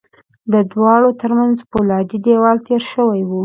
د دواړو ترمنځ پولادي دېوال تېر شوی و